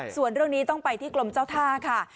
ส่วนเรื่องนี้ต้องไปที่กรมเจ้าท่าค่ะ